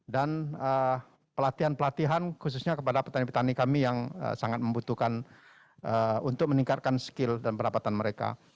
dan pelatihan pelatihan khususnya kepada petani petani kami yang sangat membutuhkan untuk meningkatkan skill dan pendapatan mereka